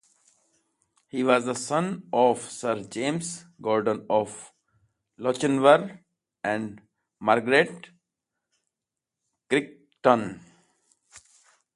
He was the son of Sir James Gordon of Lochinvar and Margaret Crichton.